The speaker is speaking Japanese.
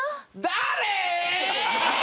誰！？